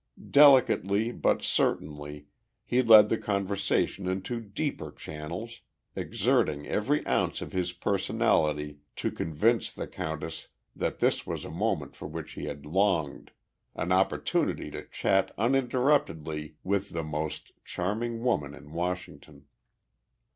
Delicately, but certainly, he led the conversation into deeper channels, exerting every ounce of his personality to convince the countess that this was a moment for which he had longed, an opportunity to chat uninterruptedly with "the most charming woman in Washington."